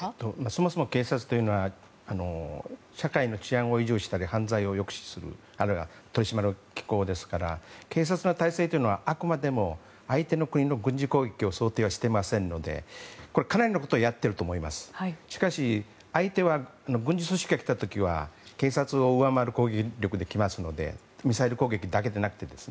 そもそも警察というのは社会の治安維持したり犯罪を抑止するあるいは取り締まりをしますから警察の体制というのはあくまでも相手の国の軍事攻撃を想定していませんのでかなりのことをやっていると思いますが相手の軍事組織が来た時は警察を上回る攻撃力できますのでミサイル攻撃だけでなくて。